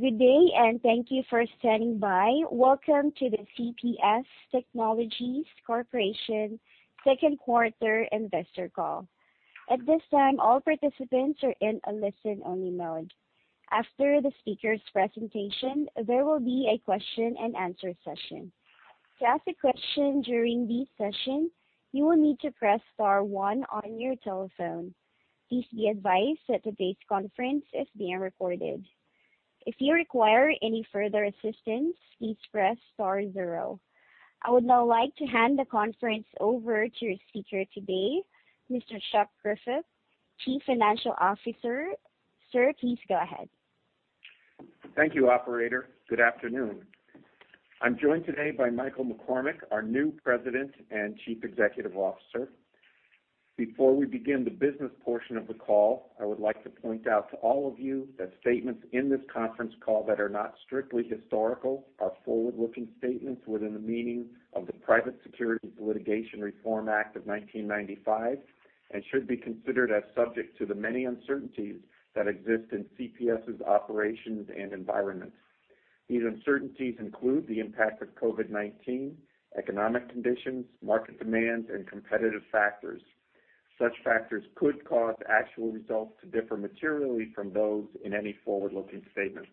Good day, and thank you for standing by. Welcome to the CPS Technologies Corporation second quarter investor call. At this time all participants are in a listen-only-mode, after the speakers' presentation, there will be a question-and-answer session. To ask a question during the session, you will need to press star one on your telephone. Please be advised that this conference is being recorded. If you require any futher assistance, please press star zero. I would now like to hand the conference over to your speaker today, Mr. Chuck Griffith, Chief Financial Officer. Sir, please go ahead. Thank you operator. Good afternoon. I'm joined today by Michael McCormack, our new President and Chief Executive Officer. Before we begin the business portion of the call, I would like to point out to all of you that statements in this conference call that are not strictly historical are forward-looking statements within the meaning of the Private Securities Litigation Reform Act of 1995, and should be considered as subject to the many uncertainties that exist in CPS's operations and environments. These uncertainties include the impact of COVID-19, economic conditions, market demands, and competitive factors. Such factors could cause actual results to differ materially from those in any forward-looking statement.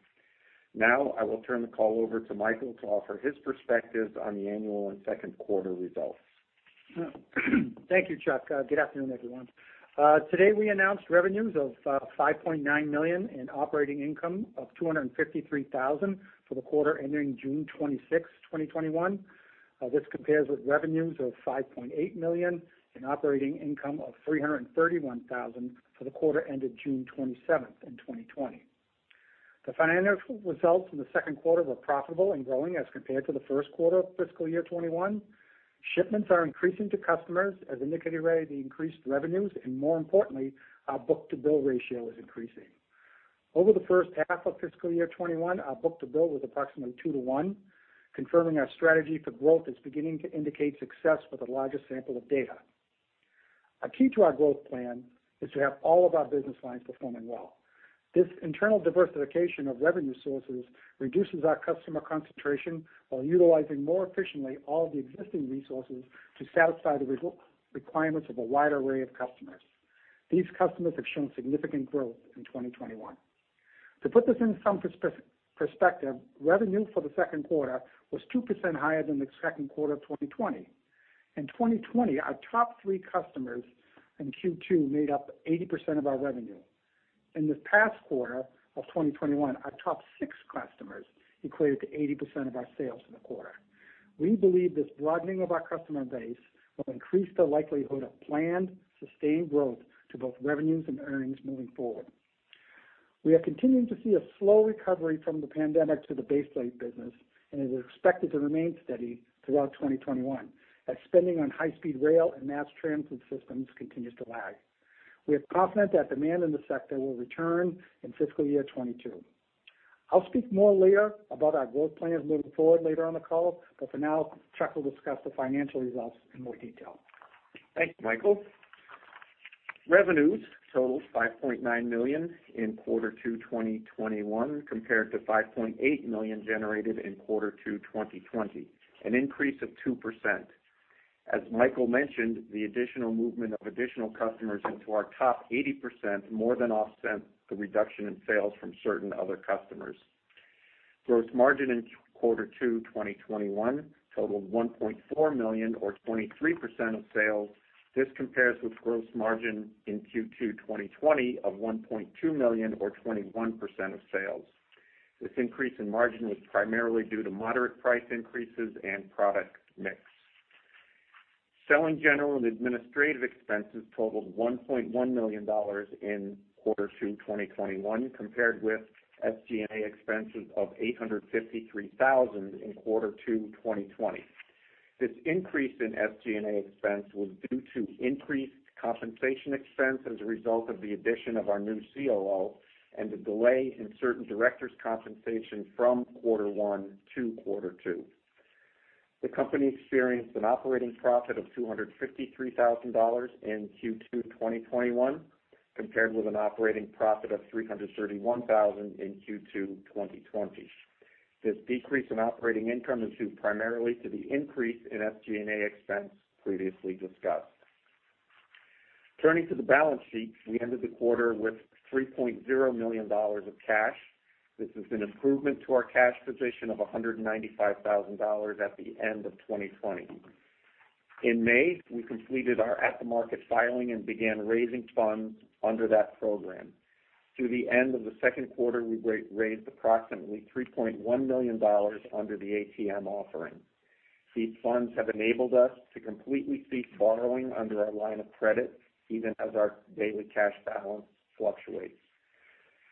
Now, I will turn the call over to Michael to offer his perspectives on the annual and second quarter results. Thank you Chuck. Good afternoon, everyone. Today, we announced revenues of $5.9 million and operating income of $253,000 for the quarter ending June 26th, 2021. This compares with revenues of $5.8 million and operating income of $331,000 for the quarter ending June 27th, 2020. The financial results in the second quarter were profitable and growing as compared to the first quarter of fiscal year 2021. Shipments are increasing to customers, as indicated by the increased revenues, and more importantly, our book-to-bill ratio is increasing. Over the first half of fiscal year 2021, our book-to-bill was approximately 2:1, confirming our strategy for growth is beginning to indicate success with a larger sample of data. A key to our growth plan is to have all of our business lines performing well. This internal diversification of revenue sources reduces our customer concentration while utilizing more efficiently all the existing resources to satisfy the requirements of a wide array of customers. These customers have shown significant growth in 2021. To put this in some perspective, revenue for the second quarter was 2% higher than the second quarter of 2020. In 2020, our top three customers in Q2 made up 80% of our revenue. In this past quarter of 2021, our top six customers equated to 80% of our sales for the quarter. We believe this broadening of our customer base will increase the likelihood of planned, sustained growth to both revenues and earnings moving forward. We are continuing to see a slow recovery from the pandemic to the baseplate business, and it is expected to remain steady throughout 2021 as spending on high-speed rail and mass transit systems continues to lag. We are confident that demand in the sector will return in fiscal year 2022. I'll speak more later about our growth plans moving forward later on the call, but for now, Chuck will discuss the financial results in more detail. Thanks Michael. Revenues totaled $5.9 million in quarter two 2021 compared to $5.8 million generated in quarter two 2020, an increase of 2%. As Michael mentioned, the additional movement of additional customers into our top 80% more than offset the reduction in sales from certain other customers. Gross margin in quarter two 2021 totaled $1.4 million or 23% of sales. This compares with gross margin in Q2 2020 of $1.2 million or 21% of sales. This increase in margin was primarily due to moderate price increases and product mix. Selling general and administrative expenses totaled $1.1 million in quarter two 2021, compared with SG&A expenses of $853,000 in quarter two 2020. This increase in SG&A expense was due to increased compensation expense as a result of the addition of our new COO and the delay in certain directors' compensation from quarter one to quarter two. The company experienced an operating profit of $253,000 in Q2 2021, compared with an operating profit of $331,000 in Q2 2020. This decrease in operating income is due primarily to the increase in SG&A expense previously discussed. Turning to the balance sheet, we ended the quarter with $3.0 million of cash. This is an improvement to our cash position of $195,000 at the end of 2020. In May, we completed our at-the-market filing and began raising funds under that program. Through the end of the second quarter, we raised approximately $3.1 million under the ATM offering. These funds have enabled us to completely cease borrowing under our line of credit, even as our daily cash balance fluctuates.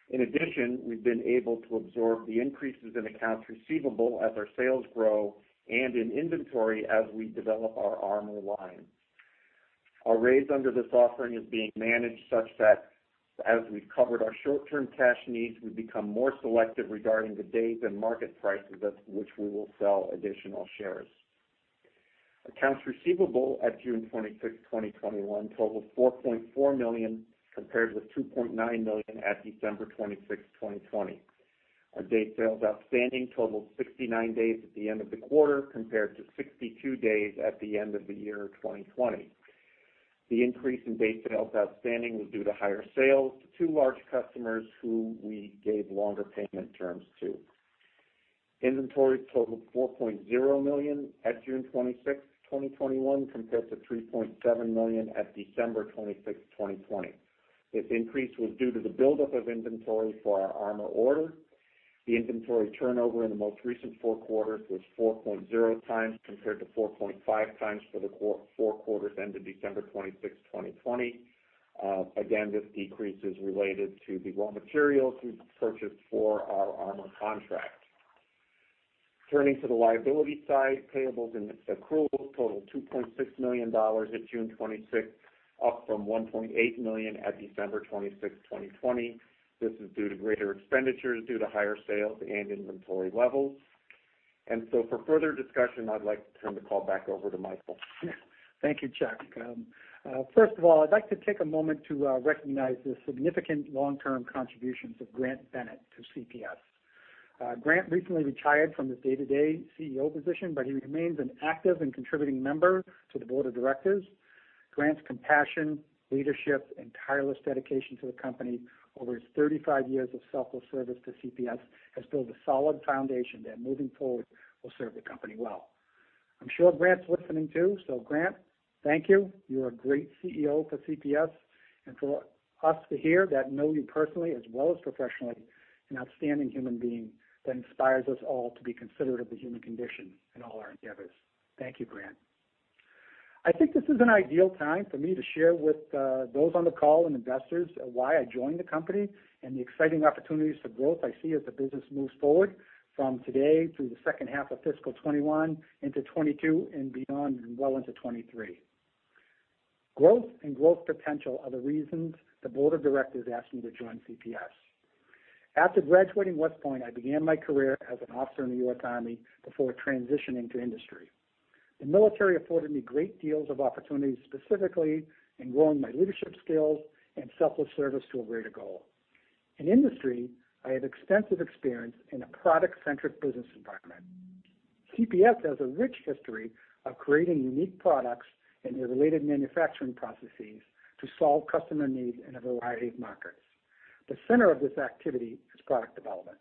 In addition, we've been able to absorb the increases in accounts receivable as our sales grow and in inventory as we develop our armor line. Our raise under this offering is being managed such that as we've covered our short-term cash needs, we become more selective regarding the days and market prices at which we will sell additional shares. Accounts receivable at June 26th, 2021, totaled $4.4 million, compared with $2.9 million at December 26th, 2020. Our day sales outstanding totaled 69 days at the end of the quarter, compared to 62 days at the end of the year 2020. The increase in day sales outstanding was due to higher sales to two large customers who we gave longer payment terms to. Inventory totaled $4.0 million at June 26th, 2021, compared to $3.7 million at December 26th, 2020. This increase was due to the buildup of inventory for our armor order. The inventory turnover in the most recent four quarters was 4.0 times, compared to 4.5 times for the four quarters ended December 26th, 2020. Again, this decrease is related to the raw materials we've purchased for our armor contract. Turning to the liability side, payables and accruals totaled $2.6 million at June 26th, up from $1.8 million at December 26th, 2020. This is due to greater expenditures due to higher sales and inventory levels. For further discussion, I'd like to turn the call back over to Michael. Thank you Chuck. First of all, I'd like to take a moment to recognize the significant long-term contributions of Grant Bennett to CPS. Grant recently retired from his day-to-day CEO position, but he remains an active and contributing member to the board of directors. Grant's compassion, leadership, and tireless dedication to the company over his 35 years of selfless service to CPS has built a solid foundation that, moving forward, will serve the company well. I'm sure Grant's listening, too. Grant, thank you. You were a great CEO for CPS, and for us to hear that know you personally as well as professionally, an outstanding human being that inspires us all to be considerate of the human condition in all our endeavors. Thank you, Grant. I think this is an ideal time for me to share with those on the call and investors why I joined the company and the exciting opportunities for growth I see as the business moves forward from today through the second half of fiscal 2021 into 2022 and beyond, and well into 2023. Growth and growth potential are the reasons the board of directors asked me to join CPS. After graduating West Point, I began my career as an officer in the U.S. Army before transitioning to industry. The military afforded me great deals of opportunities, specifically in growing my leadership skills and selfless service to a greater goal. In industry, I have extensive experience in a product-centric business environment. CPS has a rich history of creating unique products and their related manufacturing processes to solve customer needs in a variety of markets. The center of this activity is product development.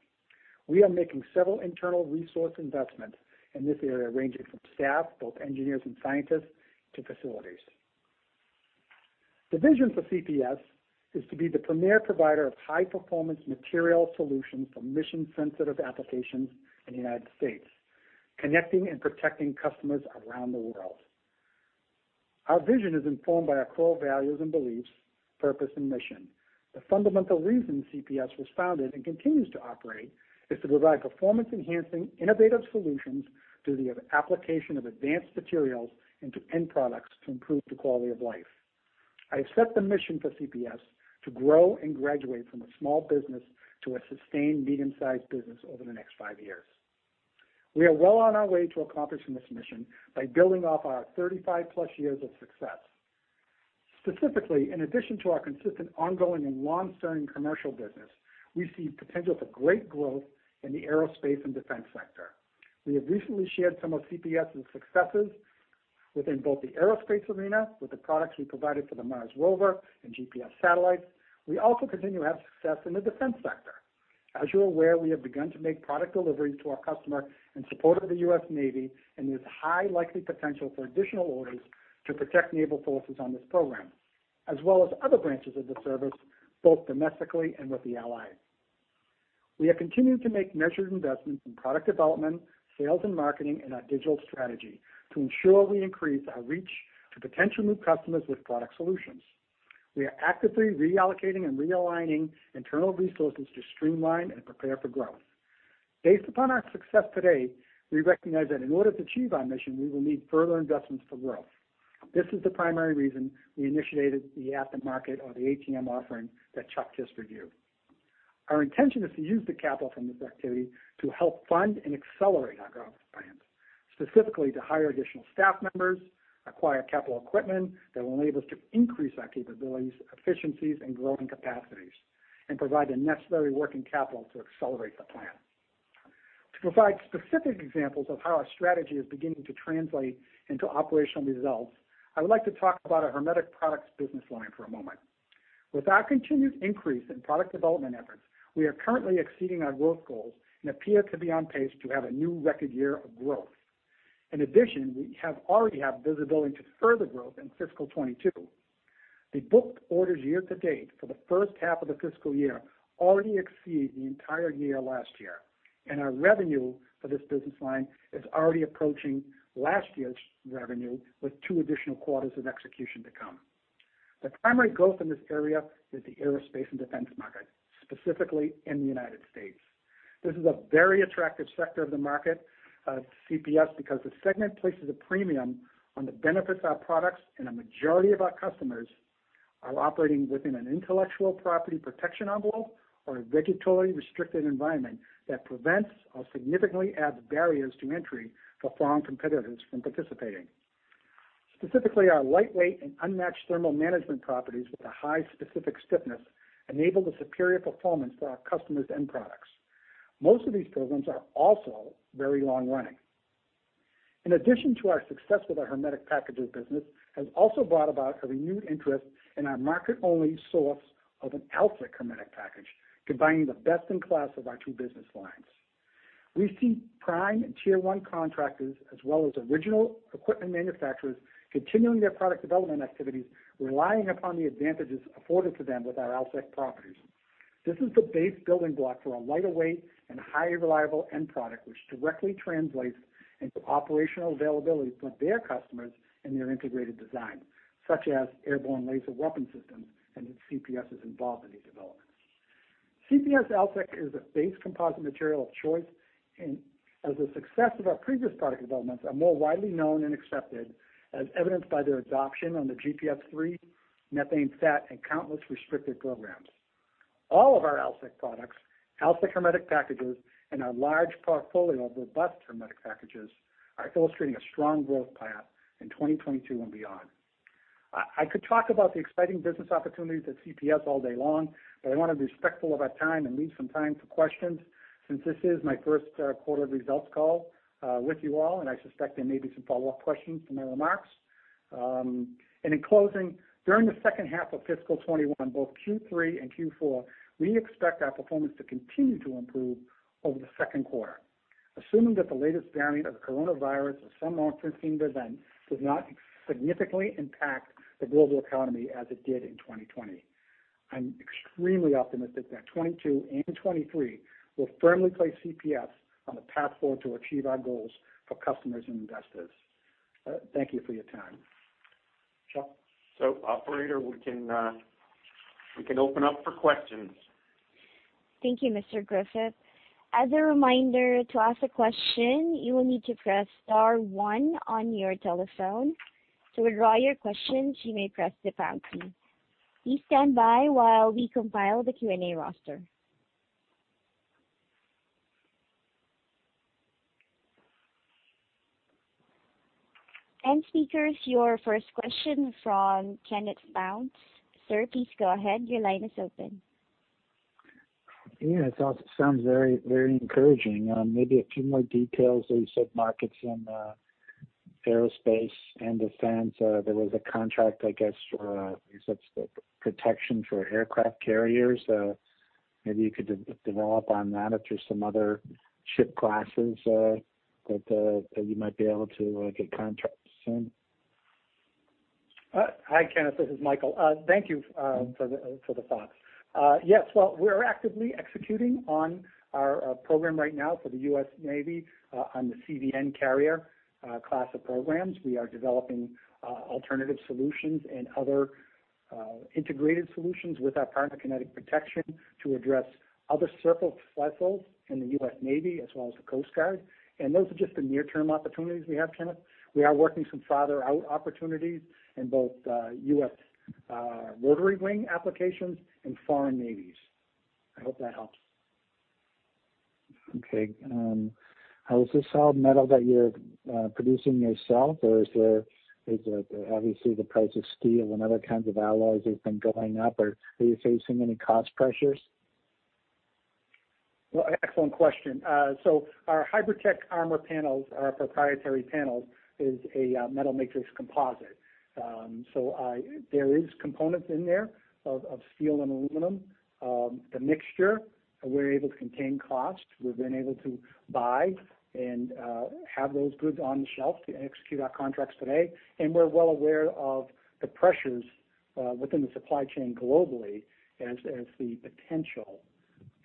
We are making several internal resource investments in this area, ranging from staff, both engineers and scientists, to facilities. The vision for CPS is to be the premier provider of high-performance material solutions for mission-sensitive applications in the United States, connecting and protecting customers around the world. Our vision is informed by our core values and beliefs, purpose, and mission. The fundamental reason CPS was founded and continues to operate is to provide performance-enhancing, innovative solutions through the application of advanced materials into end products to improve the quality of life. I accept the mission for CPS to grow and graduate from a small business to a sustained medium-sized business over the next five years. We are well on our way to accomplishing this mission by building off our 35-plus years of success. Specifically, in addition to our consistent, ongoing, and long-standing commercial business, we see potential for great growth in the aerospace and defense sector. We have recently shared some of CPS' successes within both the aerospace arena, with the products we provided for the Mars Rover and GPS satellites. We also continue to have success in the defense sector. As you're aware, we have begun to make product deliveries to our customer in support of the U.S. Navy, and there's high likely potential for additional orders to protect naval forces on this program, as well as other branches of the service, both domestically and with the allies. We have continued to make measured investments in product development, sales, and marketing, and our digital strategy to ensure we increase our reach to potential new customers with product solutions. We are actively reallocating and realigning internal resources to streamline and prepare for growth. Based upon our success to date, we recognize that in order to achieve our mission, we will need further investments for growth. This is the primary reason we initiated the at-the-market, or the ATM offering that Chuck just reviewed. Our intention is to use the capital from this activity to help fund and accelerate our growth plans, specifically to hire additional staff members, acquire capital equipment that will enable us to increase our capabilities, efficiencies, and growing capacities, and provide the necessary working capital to accelerate the plan. To provide specific examples of how our strategy is beginning to translate into operational results, I would like to talk about our Hermetic Packages business line for a moment. With our continued increase in product development efforts, we are currently exceeding our growth goals and appear to be on pace to have a new record year of growth. We have already had visibility to further growth in fiscal 2022. The booked orders year-to-date for the first half of the fiscal year already exceed the entire year last year, and our revenue for this business line is already approaching last year's revenue, with 2 additional quarters of execution to come. The primary growth in this area is the aerospace and defense market, specifically in the United States`. This is a very attractive sector of the market, CPS, because the segment places a premium on the benefits our products and a majority of our customers are operating within an intellectual property protection envelope or a regulatory restricted environment that prevents or significantly adds barriers to entry for foreign competitors from participating. Specifically, our lightweight and unmatched thermal management properties with a high specific stiffness enable the superior performance for our customers' end products. Most of these programs are also very long-running. In addition to our success with our Hermetic Packages business, has also brought about a renewed interest in our market-only source of an AlSiC hermetic package, combining the best-in-class of our two business lines. We see prime and tier one contractors, as well as original equipment manufacturers, continuing their product development activities, relying upon the advantages afforded to them with our AlSiC properties. This is the base building block for a lighter weight and highly reliable end product, which directly translates into operational availability for their customers and their integrated design, such as airborne laser weapon systems and CPS is involved in these developments. CPS AlSiC is a base composite material of choice, and as the success of our previous product developments are more widely known and accepted, as evidenced by their adoption on the GPS III, MethaneSAT, and countless restricted programs. All of our AlSiC products, AlSiC hermetic packages, and our large portfolio of robust hermetic packages are illustrating a strong growth path in 2022 and beyond. I could talk about the exciting business opportunities at CPS all day long, but I want to be respectful of our time and leave some time for questions since this is my first quarter results call with you all, and I suspect there may be some follow-up questions from my remarks. In closing, during the second half of fiscal 2021, both Q3 and Q4, we expect our performance to continue to improve over the second quarter, assuming that the latest variant of the coronavirus or some unforeseen event does not significantly impact the global economy as it did in 2020. I'm extremely optimistic that 2022 and 2023 will firmly place CPS on the path forward to achieve our goals for customers and investors. Thank you for your time. Chuck? Operator, we can open up for questions. Thank you, Mr. Griffith. As a reminder, to ask a question, you will need to press star one on your telephone. To withdraw your question, you may press the pound key. Please stand by while we compile the Q&A roster. Speakers, your first question from Kenneth Pounds. Sir, please go ahead. Your line is open. Yeah, it sounds very encouraging. Maybe a few more details. You said markets in aerospace and defense. There was a contract, I guess, for such the protection for aircraft carriers. Maybe you could develop on that if there's some other ship classes that you might be able to get contracts soon. Hi, Kenneth. This is Michael. Thank you for the thoughts. Yes. Well, we're actively executing on our program right now for the U.S. Navy on the CVN carrier class of programs. We are developing alternative solutions and other integrated solutions with our partner, Kinetic Protection, to address other surface vessels in the U.S. Navy, as well as the Coast Guard. Those are just the near-term opportunities we have, Kenneth. We are working some farther out opportunities in both U.S. Rotary Wing applications and foreign navies. I hope that helps. Okay. Is this solid metal that you're producing yourself? Obviously, the price of steel and other kinds of alloys has been going up. Are you facing any cost pressures? Well, excellent question. Our HybridTech Armor panels, our proprietary panels, is a metal matrix composite. There is components in there of steel and aluminum. The mixture, we're able to contain costs. We've been able to buy and have those goods on the shelf to execute our contracts today, and we're well aware of the pressures within the supply chain globally as the potential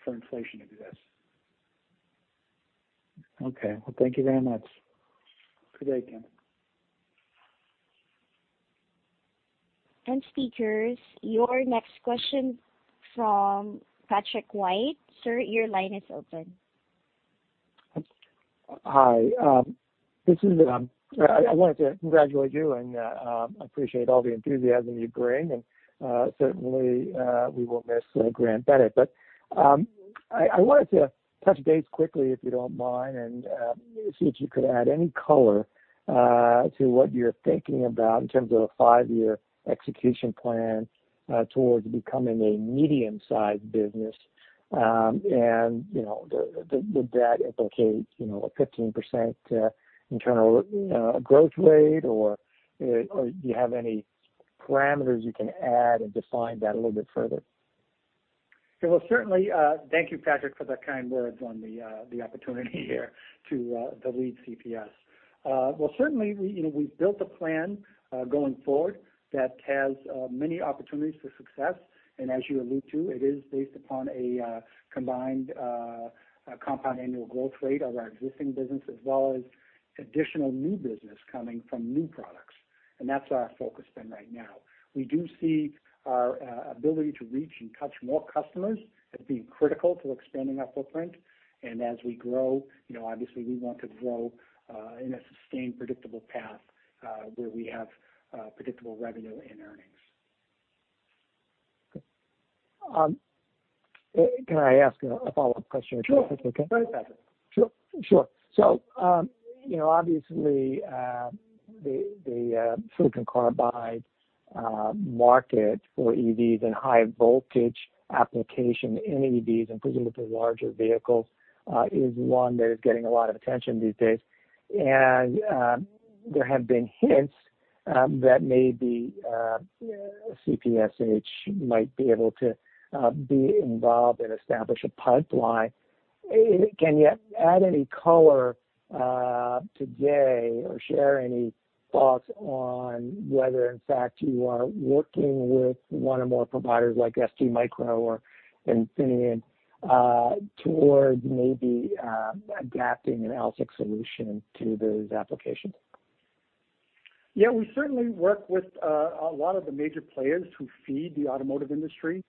for inflation exists. Okay. Well, thank you very much. Good day, Kenneth. Speakers, your next question from Patrick White. Sir, your line is open. Hi. I wanted to congratulate you, and I appreciate all the enthusiasm you bring. Certainly, we will miss Grant Bennett. I wanted to touch base quickly, if you don't mind, and see if you could add any color to what you're thinking about in terms of a five-year execution plan towards becoming a medium-sized business. Would that implicate a 15% internal growth rate, or do you have any parameters you can add and define that a little bit further? Sure. Well, certainly. Thank you Patrick, for the kind words on the opportunity here to lead CPS. Well, certainly, we've built a plan going forward that has many opportunities for success. As you allude to, it is based upon a combined compound annual growth rate of our existing business as well as additional new business coming from new products. That's our focus then right now. We do see our ability to reach and touch more customers as being critical to expanding our footprint. As we grow, obviously we want to grow in a sustained, predictable path where we have predictable revenue and earnings. Can I ask a follow-up question? Sure. Sure. Obviously, the silicon carbide market for EVs and high voltage application in EVs and presumably larger vehicles is one that is getting a lot of attention these days. There have been hints that maybe CPSH might be able to be involved and establish a pipeline. Can you add any color today or share any thoughts on whether in fact you are working with one or more providers like STMicroelectronics or Infineon towards maybe adapting an AlSiC solution to those applications? Yeah. We certainly work with a lot of the major players who feed the automotive industry.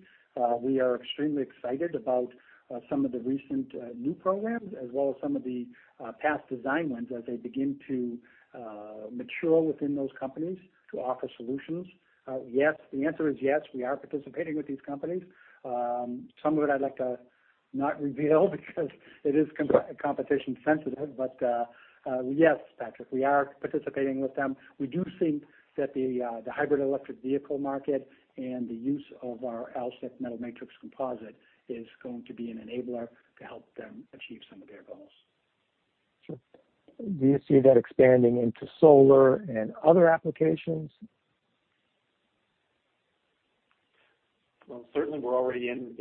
We are extremely excited about some of the recent new programs as well as some of the past design wins as they begin to mature within those companies to offer solutions. Yes, the answer is yes, we are participating with these companies. Some of it I'd like to not reveal because it is competition sensitive. Yes, Patrick, we are participating with them. We do think that the hybrid electric vehicle market and the use of our AlSiC metal matrix composite is going to be an enabler to help them achieve some of their goals. Sure. Do you see that expanding into solar and other applications? Well, certainly we're already in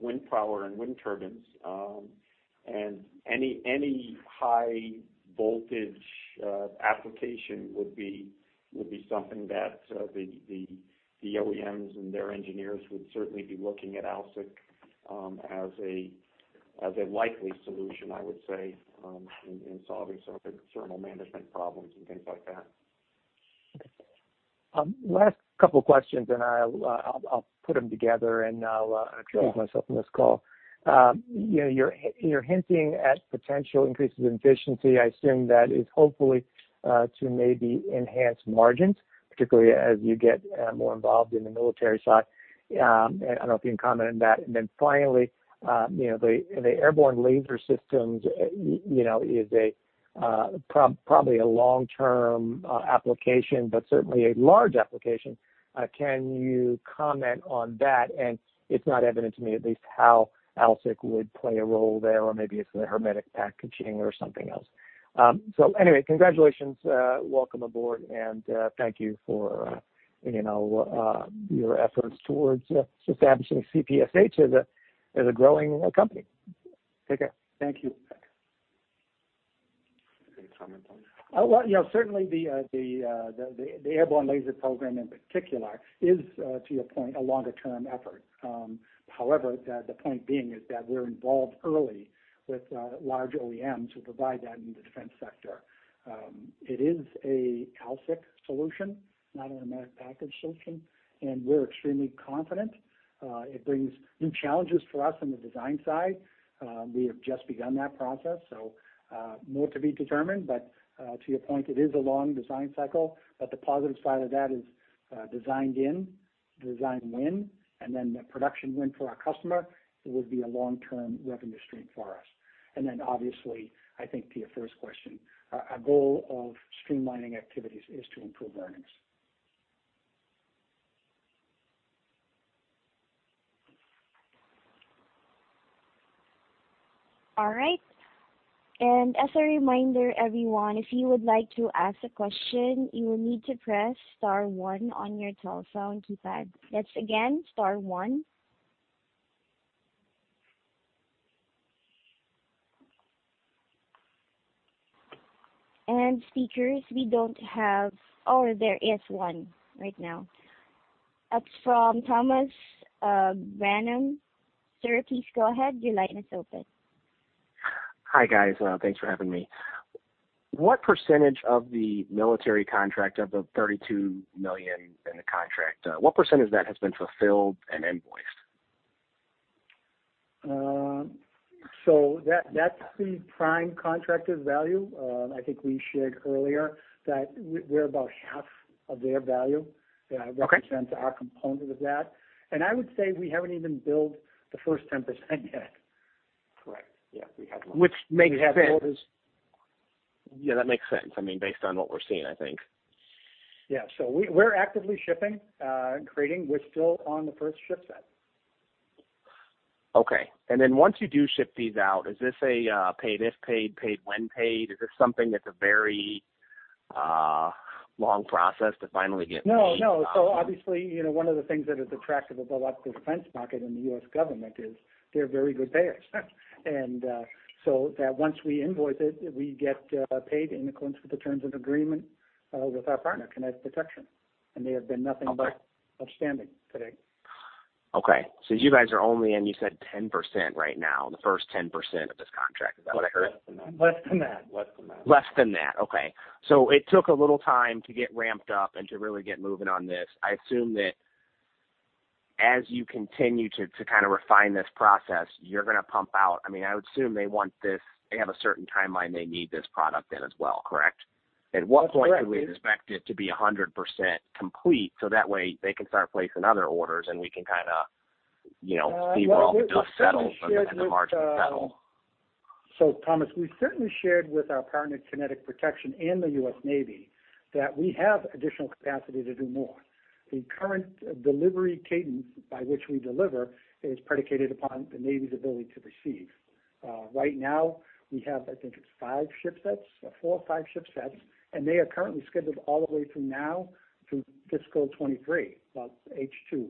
wind power and wind turbines. Any high voltage application would be something that the OEMs and their engineers would certainly be looking at AlSiC as a likely solution, I would say, in solving some of their thermal management problems and things like that. Last couple questions. I'll put them together. I'll excuse myself from this call. You're hinting at potential increases in efficiency. I assume that is hopefully to maybe enhance margins, particularly as you get more involved in the military side. I don't know if you can comment on that. Finally, the airborne laser weapon systems is probably a long-term application, but certainly a large application. Can you comment on that? It's not evident to me at least how AlSiC would play a role there, or maybe it's the hermetic packaging or something else. Anyway, congratulations, welcome aboard. Thank you for your efforts towards establishing CPSH as a growing company. Take care. Thank you. Any comment on that? Well, certainly the Airborne Laser Program in particular is, to your point, a longer-term effort. The point being is that we're involved early with large OEMs who provide that in the defense sector. It is an AlSiC solution, not a hermetic package solution, and we're extremely confident. It brings new challenges for us on the design side. We have just begun that process, so more to be determined. To your point, it is a long design cycle, but the positive side of that is a design win, and then the production win for our customer, it would be a long-term revenue stream for us. Obviously, I think to your first question, our goal of streamlining activities is to improve earnings. All right. As a reminder, everyone, if you would like to ask a question, you will need to press star one on your telephone keypad. That's again, star one. Speakers, we don't have, oh, there is one right now. It's from Thomas Brannan. Sir, please go ahead. Your line is open. Hi, guys. Thanks for having me. What % of the military contract, of the $32 million in the contract, what % of that has been fulfilled and invoiced? That's the prime contractor's value. I think we shared earlier that we're about half of their value. Okay Represents our component of that. I would say we haven't even billed the first 10% yet. Correct. Yeah, we have not. Which makes sense. We have orders. Yeah, that makes sense. I mean, based on what we're seeing, I think. Yeah. We're actively shipping and creating. We're still on the first ship set. Okay. Once you do ship these out, is this a paid if paid when paid? Is this something that's a very long process to finally get paid? No. Obviously, one of the things that is attractive about the defense market and the U.S. government is they're very good payers. Once we invoice it, we get paid in accordance with the terms of agreement with our partner, Kinetic Protection. They have been nothing but outstanding to date. Okay. You guys are only in, you said, 10% right now, the first 10% of this contract. Is that what I heard? Less than that. Less than that. Less than that. Okay. It took a little time to get ramped up and to really get moving on this. I assume that as you continue to kind of refine this process, you're going to pump out. I would assume they have a certain timeline they need this product in as well, correct? At what point do we expect it to be 100% complete, so that way they can start placing other orders and we can kind of see where all the dust settles and the margins settle? Thomas, we've certainly shared with our partner, Kinetic Protection, and the U.S. Navy, that we have additional capacity to do more. The current delivery cadence by which we deliver is predicated upon the Navy's ability to receive. Right now, we have, I think it's five ship sets, four or five ship sets, and they are currently scheduled all the way through now through fiscal 2023, well, H2,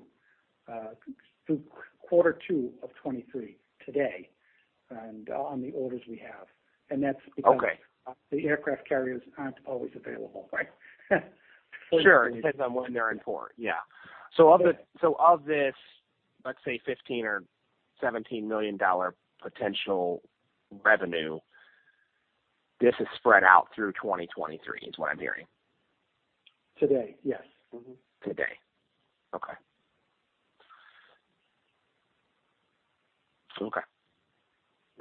through quarter two 2023 today, and on the orders we have. Okay The aircraft carriers aren't always available. Right. Sure. It depends on when they're in port, yeah. Of this, let's say $15 million or $17 million potential revenue, this is spread out through 2023 is what I'm hearing. Today, yes. Mm-hmm. Today. Okay.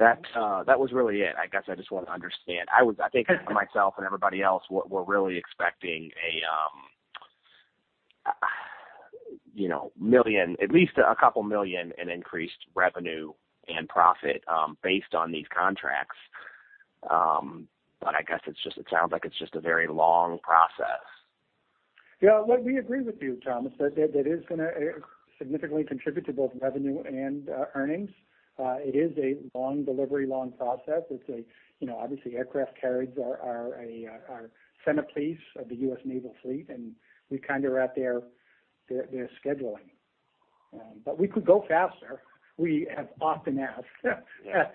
That was really it. I guess I just wanted to understand. I think for myself and everybody else, we're really expecting at least a couple of million in increased revenue and profit based on these contracts. I guess it sounds like it's just a very long process. Look, we agree with you, Thomas, that it is going to significantly contribute to both revenue and earnings. It is a long delivery, long process. Obviously, aircraft carriers are centerpiece of the U.S. Naval fleet, and we're kind of at their scheduling. We could go faster. We have often asked. Yeah.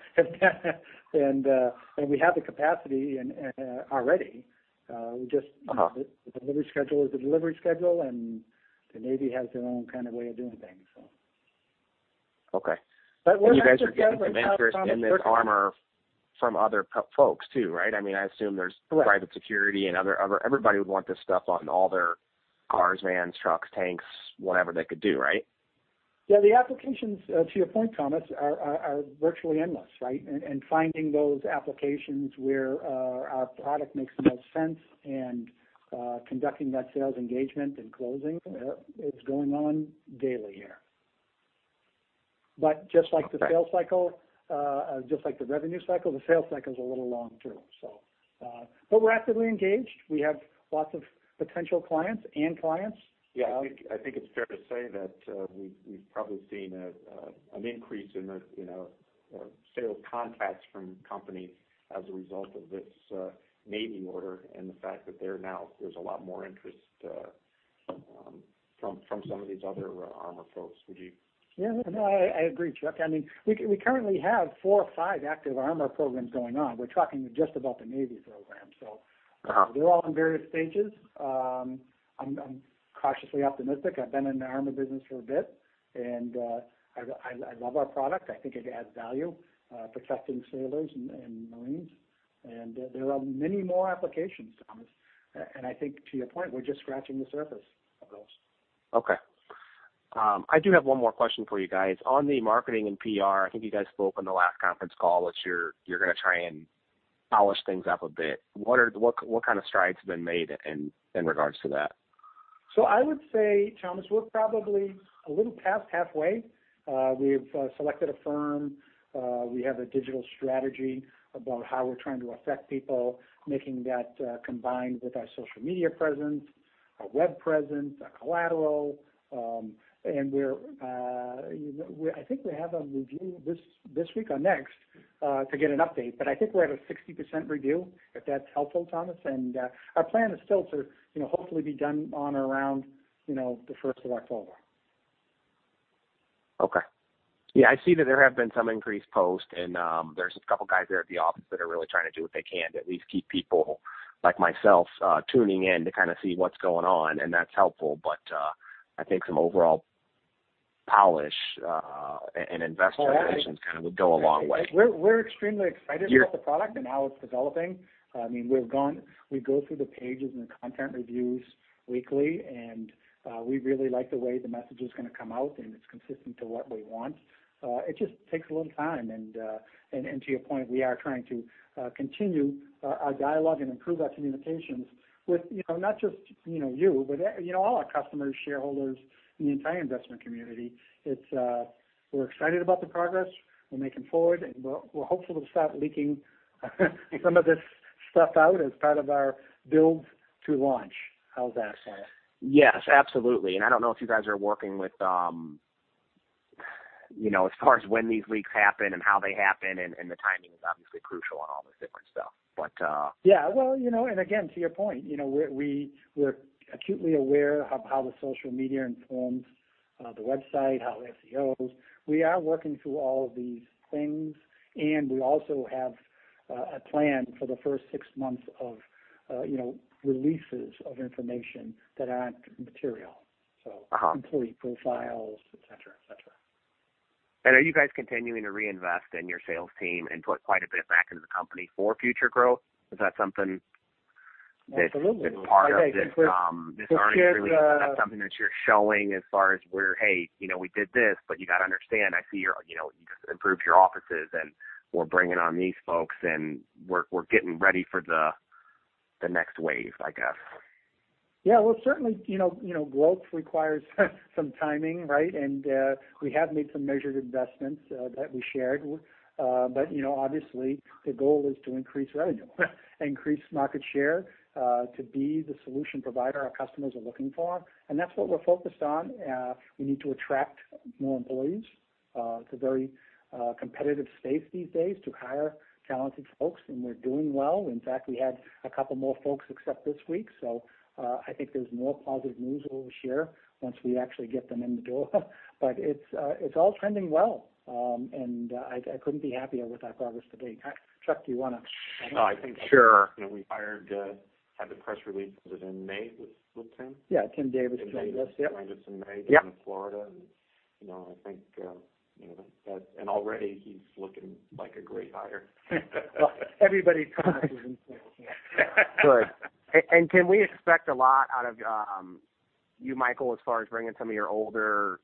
We have the capacity already. The delivery schedule is the delivery schedule, and the U.S. Navy has their own kind of way of doing things. Okay. You guys are getting the mentors and this armor from other folks, too, right? Correct Private security and everybody would want this stuff on all their cars, vans, trucks, tanks, whatever they could do, right? Yeah, the applications, to your point, Thomas, are virtually endless, right? Finding those applications where our product makes the most sense and conducting that sales engagement and closing, is going on daily here. Just like the revenue cycle, the sales cycle is a little long, too. We're actively engaged. We have lots of potential clients and clients. Yeah, I think it's fair to say that we've probably seen an increase in the sales contacts from companies as a result of this Navy order. The fact that there's a lot more interest from some of these other armor folks. Would you? Yeah, no, I agree, Chuck. We currently have four or five active armor programs going on. We're talking just about the Navy program. They're all in various stages. I'm cautiously optimistic. I've been in the armor business for a bit, and I love our product. I think it adds value, protecting sailors and marines. There are many more applications, Thomas, and I think to your point, we're just scratching the surface of those. Okay. I do have one more question for you guys. On the marketing and PR, I think you guys spoke on the last conference call that you're going to try and polish things up a bit. What kind of strides have been made in regards to that? I would say, Thomas, we're probably a little past halfway. We've selected a firm. We have a digital strategy about how we're trying to affect people, making that combined with our social media presence, our web presence, our collateral. I think we have a review this week or next, to get an update, but I think we're at a 60% review, if that's helpful, Thomas. Our plan is still to hopefully be done on or around the 1st of October. Okay. Yeah, I see that there have been some increased posts, and there's a couple of guys there at the office that are really trying to do what they can to at least keep people like myself tuning in to kind of see what's going on, and that's helpful, but I think some overall polish and investor relations kind of would go a long way. We're extremely excited about the product and how it's developing. We go through the pages and the content reviews weekly, and we really like the way the message is going to come out, and it's consistent to what we want. It just takes a little time, and to your point, we are trying to continue our dialogue and improve our communications with not just you, but all our customers, shareholders, and the entire investment community. We're excited about the progress we're making forward, and we're hopeful to start leaking some of this stuff out as part of our build to launch. How's that sound? Yes, absolutely. I don't know if you guys are working with, as far as when these leaks happen and how they happen, and the timing is obviously crucial on all this different stuff. Yeah. Well, and again, to your point, we're acutely aware of how the social media informs the website, how SEOs. We are working through all of these things, and we also have a plan for the first six months of releases of information that aren't material. Employee profiles, etc.. Are you guys continuing to reinvest in your sales team and put quite a bit back into the company for future growth? Absolutely Part of this earnings release, is that something that you're showing as far as where, hey, we did this, but you got to understand, I see you've improved your offices and we're bringing on these folks, and we're getting ready for the next wave, I guess? Well, certainly, growth requires some timing, right? We have made some measured investments that we shared. Obviously, the goal is to increase revenue, increase market share, to be the solution provider our customers are looking for, and that's what we're focused on. We need to attract more employees. It's a very competitive space these days to hire talented folks, and we're doing well. In fact, we had a couple more folks accept this week. I think there's more positive news we'll share once we actually get them in the door. It's all trending well, and I couldn't be happier with our progress to date. Chuck, do you want to? No, I think. Sure We hired, had the press release, was it in May with Tim? Yeah, Timothy Davis joined us. Yep. Timothy Davis joined us in May. Yep Down in Florida, already he's looking like a great hire. Well, everybody comments on him. Yeah. Good. Can we expect a lot out of you, Michael, as far as bringing some of your older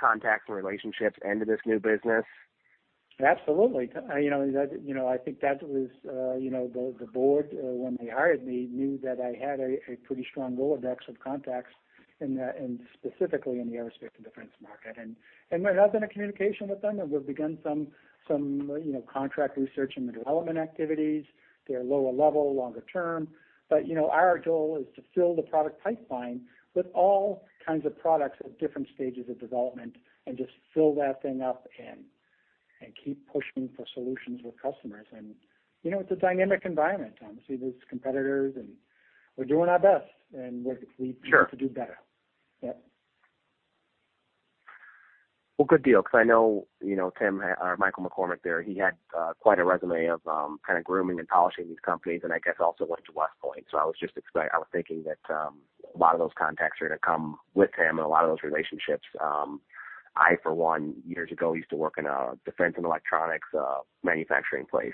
contacts and relationships into this new business? Absolutely. I think that was the board, when they hired me, knew that I had a pretty strong Rolodex of contacts, and specifically in the aerospace and defense market. We're having a communication with them, and we've begun some contract research and development activities. They're lower-level, longer-term. Our goal is to fill the product pipeline with all kinds of products at different stages of development and just fill that thing up and keep pushing for solutions with customers. It's a dynamic environment, Thomas. There's competitors, and we're doing our best. Sure Need to do better. Yep. Well, good deal, because I know Michael McCormack there, he had quite a resume of kind of grooming and polishing these companies, and I guess also went to West Point. I was thinking that a lot of those contacts are going to come with him and a lot of those relationships. I, for one, years ago, used to work in a defense and electronics manufacturing place,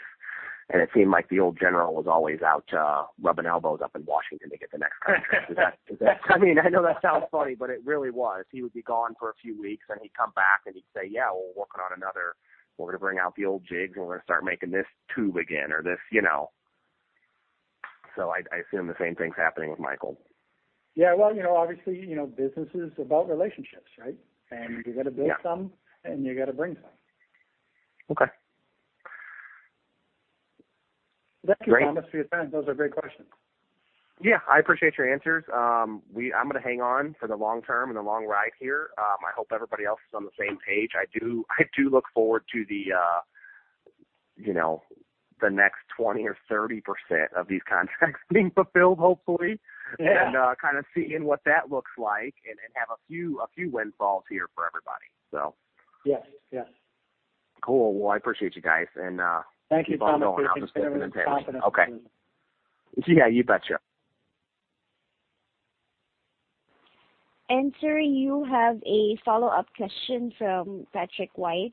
and it seemed like the old general was always out rubbing elbows up in Washington to get the next contract. I know that sounds funny, but it really was. He would be gone for a few weeks, and he'd come back, and he'd say, "Yeah, we're working on another." We're going to bring out the old jigs, and we're going to start making this tube again. I assume the same thing's happening with Michael. Yeah. Well, obviously, business is about relationships, right? You've got to build some, and you've got to bring some. Okay. Great. Thank you, Thomas, for your time. Those are great questions. Yeah. I appreciate your answers. I'm going to hang on for the long term and the long ride here. I hope everybody else is on the same page. I do look forward to the next 20% or 30% of these contracts being fulfilled, hopefully. Yeah. Kind of seeing what that looks like and have a few windfalls here for everybody. Yes. Cool. Well, I appreciate you guys. Thank you, Thomas. Keep on going. I'll just get for the day. Thanks for stopping us. Okay. Yeah, you betcha. Sir, you have a follow-up question from Patrick White.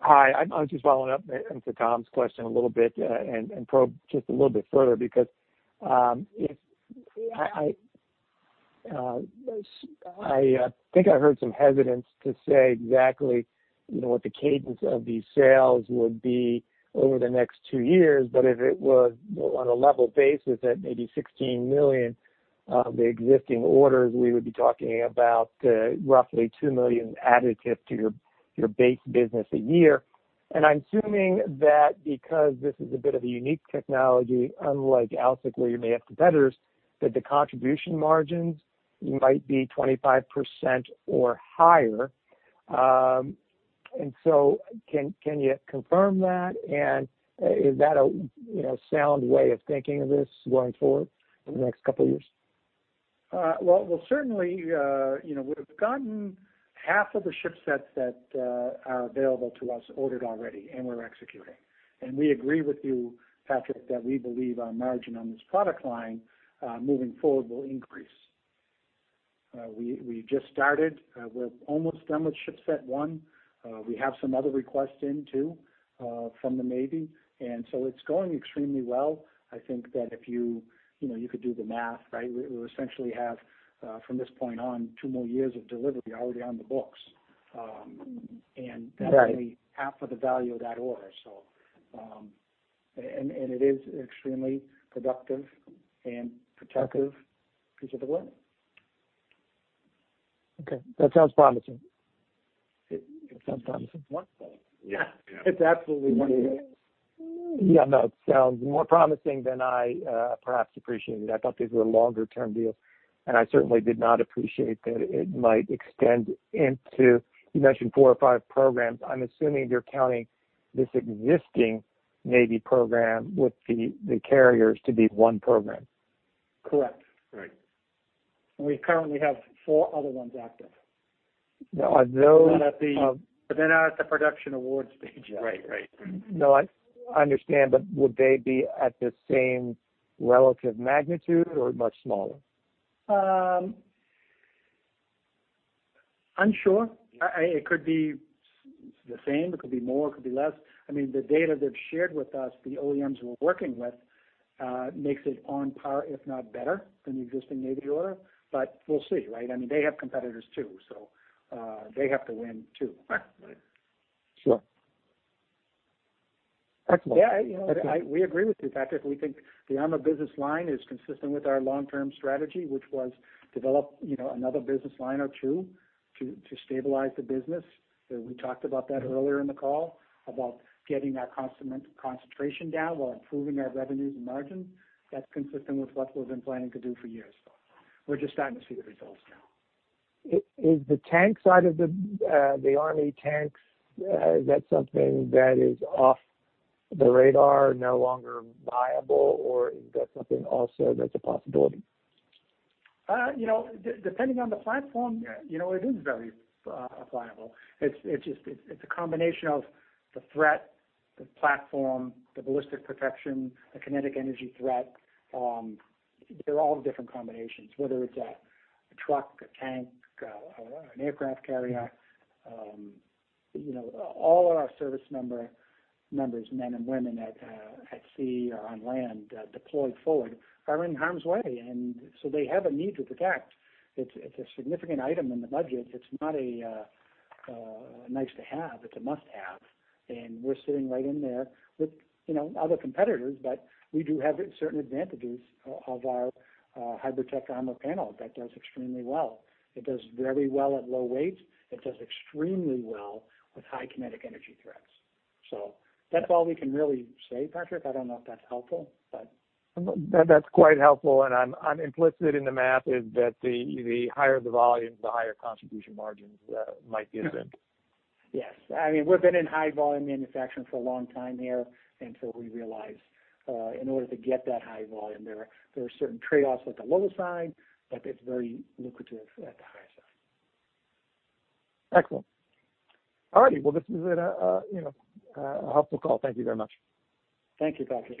Hi. I was just following up into Tom's question a little bit, and probe just a little bit further because, I think I heard some hesitance to say exactly what the cadence of these sales would be over the next two years. If it was on a level basis at maybe $16 million of the existing orders, we would be talking about roughly $2 million additive to your base business a year. I'm assuming that because this is a bit of a unique technology, unlike AlSiC, where you may have competitors, that the contribution margins might be 25% or higher. Can you confirm that? Is that a sound way of thinking of this going forward in the next couple of years? Well, certainly, we've gotten half of the shipsets that are available to us ordered already, and we're executing. We agree with you, Patrick, that we believe our margin on this product line, moving forward, will increase. We just started. We're almost done with shipset one. We have some other requests in too, from the Navy, and so it's going extremely well. I think that if you could do the math, right, we essentially have, from this point on, two more years of delivery already on the books. Right. That's only half of the value of that order. It is extremely productive and protective piece of equipment. Okay. That sounds promising. It sounds promising. Wonderful. Yeah. It's absolutely wonderful. No, it sounds more promising than I perhaps appreciated. I thought these were longer-term deals, and I certainly did not appreciate that it might extend into, you mentioned four or five programs. I'm assuming you're counting this existing Navy program with the carriers to be one program. Correct. Right. We currently have four other ones active. Now, are those? They're not at the production awards stage yet. Right. No, I understand, but would they be at the same relative magnitude or much smaller? Unsure. It could be the same, it could be more, it could be less. The data they've shared with us, the OEMs we're working with, makes it on par, if not better, than the existing Navy order, but we'll see, right? They have competitors too, so they have to win too. Right. Sure. Excellent. Yeah, we agree with you, Patrick. We think the armor business line is consistent with our long-term strategy, which was develop another business line or two to stabilize the business. We talked about that earlier in the call, about getting our concentration down while improving our revenues and margins. That's consistent with what we've been planning to do for years. We're just starting to see the results now. Is the tank side of the Army tanks, is that something that is off the radar, no longer viable, or is that something also that's a possibility? Depending on the platform, it is very appliable. It's a combination of the threat, the platform, the ballistic protection, the kinetic energy threat. They're all different combinations, whether it's a truck, a tank, an aircraft carrier. All our service members, men and women at sea or on land, deployed forward, are in harm's way, they have a need to protect. It's a significant item in the budget. It's not a nice to have, it's a must-have. We're sitting right in there with other competitors, we do have certain advantages of our HybridTech Armor panel that does extremely well. It does very well at low weight. It does extremely well with high kinetic energy threats. That's all we can really say, Patrick. I don't know if that's helpful. That's quite helpful. Implicit in the math is that the higher the volume, the higher contribution margins might be then. Yes. We've been in high volume manufacturing for a long time here, and so we realize, in order to get that high volume, there are certain trade-offs at the lower side, but it's very lucrative at the higher side. Excellent. All right. Well, this has been a helpful call. Thank you very much. Thank you Patrick.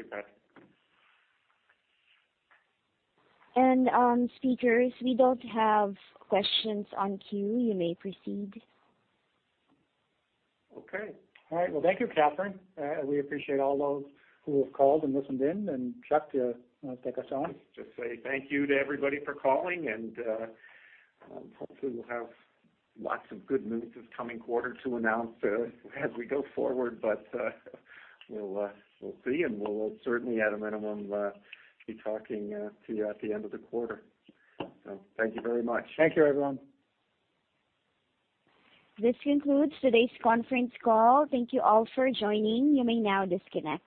Speakers, we don't have questions in queue. You may proceed. Okay. All right. Well, thank you Catherine. We appreciate all those who have called and listened in. Chuck, do you want to take us on? Just say thank you to everybody for calling. Hopefully we'll have lots of good news this coming quarter to announce as we go forward. We'll see, and we'll certainly, at a minimum, be talking to you at the end of the quarter. Thank you very much. Thank you everyone. This concludes today's conference call. Thank you all for joining. You may now disconnect.